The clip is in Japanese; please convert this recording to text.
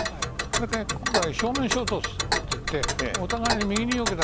今回、正面衝突といってお互いに右によけた。